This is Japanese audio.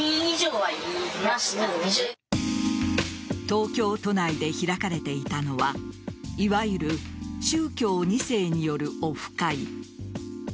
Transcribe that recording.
東京都内で開かれていたのはいわゆる宗教２世によるオフ会。